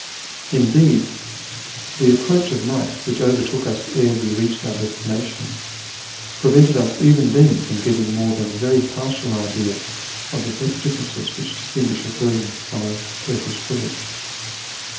Indeed the approach of night, which overtook us ere we reached our destination, prevented us even then from getting more than a very partial idea of the differences which distinguish a Persian from a Turkish village.